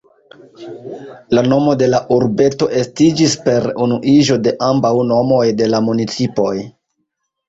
La nomo de la urbeto estiĝis per unuiĝo de ambaŭ nomoj de la municipoj.